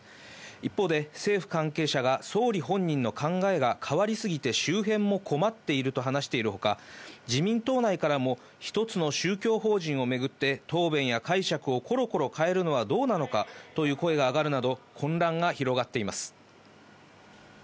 一方で政府関係者が総理本人の考えが変わりすぎて周辺も困っていると話しているほか、自民党内からも一つの宗教法人をめぐって答弁や解釈をコロコロ変えるのはどうなのかという声も上がるなど、混乱が広がっています。